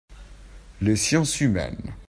Les sciences humaines.